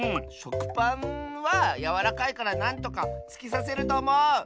しょくパンはやわらかいからなんとかつきさせるとおもう。